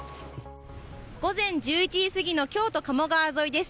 午前１１時過ぎの京都・かも川沿いです。